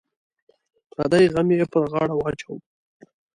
پردی غم یې پر غاړه واچوه.